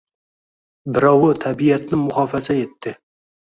Birovi tabiatni muhofaza etdi.